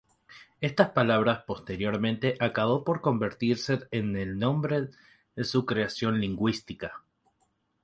Esta palabra posteriormente acabó por convertirse en el nombre de su creación lingüística.